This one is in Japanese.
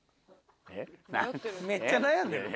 めっちゃ悩んでる。